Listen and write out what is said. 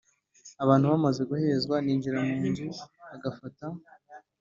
Abantu bamaze guhezwa yinjira mu nzu agafata